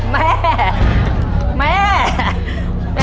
แม่แม่แม่ดา